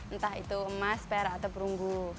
entah itu emas perak atau perunggu